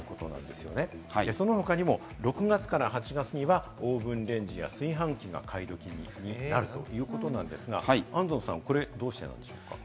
その他にも６月から８月にはオーブンレンジや炊飯器が買い時にないるということなんですが、安蔵さん、これどうしてなんでしょうか？